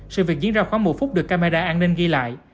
sự việc diễn ra khoảng một phút được camera an ninh ghi lại